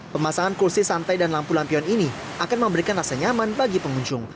pemasangan kursi santai dan lampu lampion ini akan memberikan rasa nyaman bagi pengunjung